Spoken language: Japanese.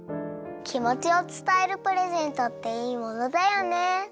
きもちをつたえるプレゼントっていいものだよね。